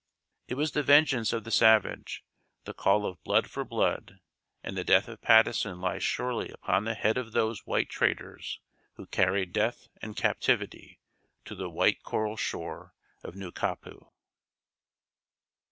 It was the vengeance of the savage the call of "blood for blood"; and the death of Patteson lies surely upon the head of those white traders who carried death and captivity to the white coral shore of Nukapu.